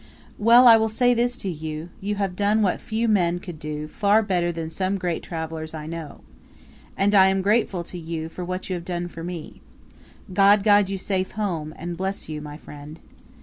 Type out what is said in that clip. "Well, I will say this to you: you have done what few men could do far better than some great travellers I know. And I am grateful to you for what you have done for me. God guide you safe home, and bless you, my friend."